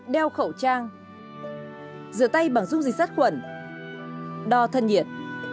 đeo khẩu trang rửa tay bằng dung dịch sát khuẩn đo thân nhiệt